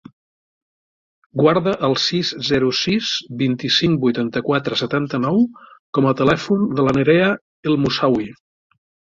Guarda el sis, zero, sis, vint-i-cinc, vuitanta-quatre, setanta-nou com a telèfon de la Nerea El Moussaoui.